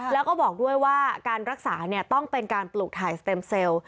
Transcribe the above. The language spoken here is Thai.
แล้วก็บอกด้วยว่าการรักษาต้องเป็นการปลูกถ่ายสเต็มเซลล์